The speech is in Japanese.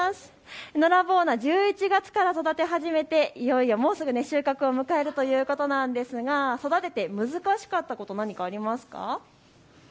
のらぼう菜、１１月から育て始めていよいよもうすぐ収穫を迎えるということなんですが育てて難しかったこと何かありますか。